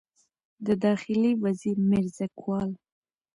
د داخلي وزیر میرزکوال